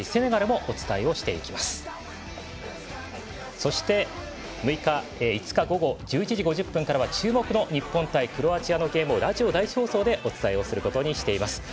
そして、５日の夜１１時５０分からは注目の日本対クロアチアのゲームをラジオ第１でお伝えをすることにしています。